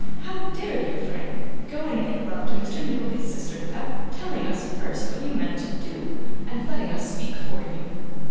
How dared you, Frank, go and make love to Mr. Nickleby's sister without telling us first what you meant to do, and letting us speak for you?